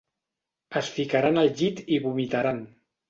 Es ficaran al llit i vomitaran.